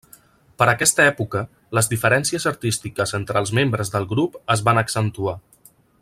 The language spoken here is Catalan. Per aquesta època, les diferències artístiques entre els membres del grup es van accentuar.